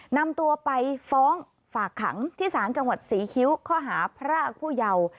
นำตัวไปฟ้องฝากขังที่ศาลจังหวัดศรีคิ้วข้อหาพรากผู้เยาว์